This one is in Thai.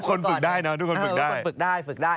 เห็นไหมทุกคนฝึกได้